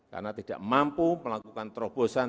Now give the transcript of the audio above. karena tidak mampu melakukan terobosan